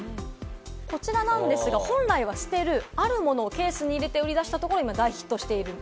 こちらなんですが、本来は捨てる、あるものをケースに入れて売り出したところ今、大ヒットしている。